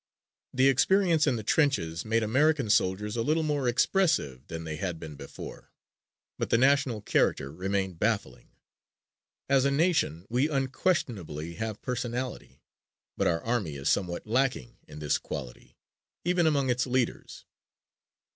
The experience in the trenches made American soldiers a little more expressive than they had been before but the national character remained baffling. As a nation we unquestionably have personality but our army is somewhat lacking in this quality even among its leaders.